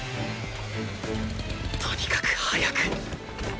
とにかく早く